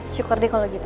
syukur deh kalau gitu